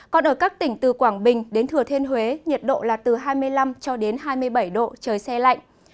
còn ở các tỉnh từ quảng bình đến thừa thiên huế nhiệt độ là từ hai mươi năm cho đến hai mươi bảy độ trời xe lạnh